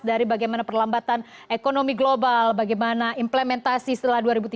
dari bagaimana perlambatan ekonomi global bagaimana implementasi setelah dua ribu tujuh belas